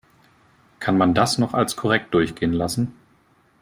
Kann man das noch als korrekt durchgehen lassen?